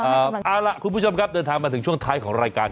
เอาล่ะคุณผู้ชมครับเดินทางมาถึงช่วงท้ายของรายการ